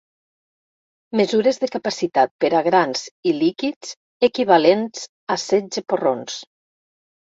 Mesures de capacitat per a grans i líquids, equivalents a setze porrons.